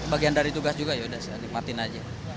bagian dari tugas juga yaudah saya nikmatin aja